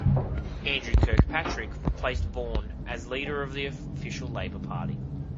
Andrew Kirkpatrick replaced Vaughan as leader of the official Labor Party.